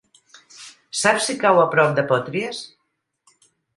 Saps si cau a prop de Potries?